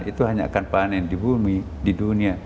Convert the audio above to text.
itu hanya akan panen di bumi di dunia